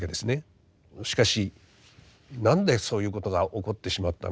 しかし何でそういうことが起こってしまったのか。